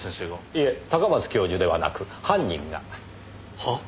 いえ高松教授ではなく犯人が。は？